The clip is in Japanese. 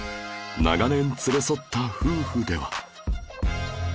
長年連れ添った夫婦では